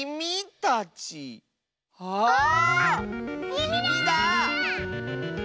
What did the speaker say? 「きみ」だ！